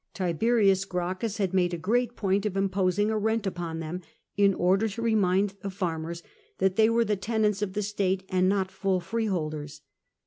Tiberius Gracchus had made a great point of imposing a rent upon them.; in order to remind the farmers that they were the tenants of the state and not full freeholders.